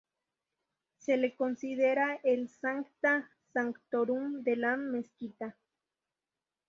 Se le considera el Sancta sanctorum de la mezquita.